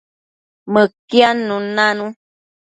Mëquiadnun nanu